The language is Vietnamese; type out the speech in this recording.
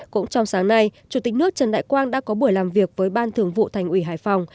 cũng trong sáng nay chủ tịch nước trần đại quang đã có buổi làm việc với ban thường vụ thành ủy hải phòng